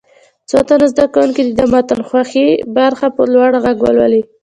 څو تنه زده کوونکي دې د متن خوښې برخه په لوړ غږ ولولي.